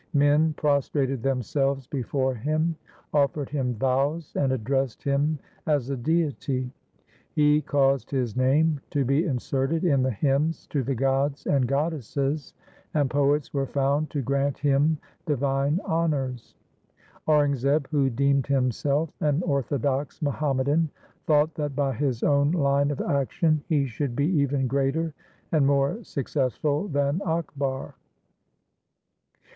Men prostrated themselves before him, offered him vows, and addressed him as a deity. He caused his name to be inserted in the hymns to the gods and goddesses, and poets were found to grant him divine honours. Aurangzeb who deemed himself an orthodox Muham madan thought that by his own line of action he should be even greater and more successful than Akbar.